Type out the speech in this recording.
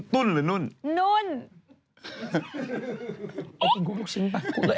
ตุ้นหรือนุ่นโอ๊ยหลุกชิ้นป่ะ